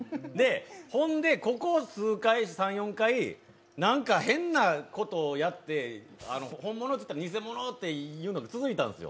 ほんで、ここ数回、３４回、なんか変なことをやって本物っていったらニセモノっていうのが続いたんですよ。